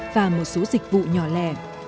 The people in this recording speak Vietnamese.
và một số dịch vụ nhỏ lẻ